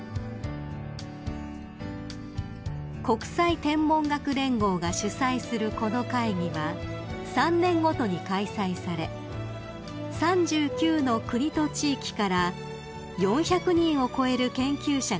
［国際天文学連合が主催するこの会議は３年ごとに開催され３９の国と地域から４００人を超える研究者が参加］